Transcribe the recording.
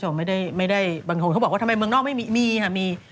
เขาบอกว่าทำไมเมืองนอกไม่มี